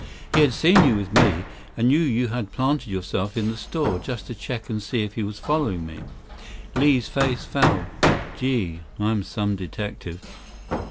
He had seen you with me, and knew you had planted yourself in the store just to check and see if he was following me." Li's face fell. "Gee, I'm some detective!